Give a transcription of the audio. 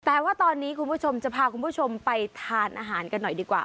แต่ว่าตอนนี้คุณผู้ชมจะพาคุณผู้ชมไปทานอาหารกันหน่อยดีกว่า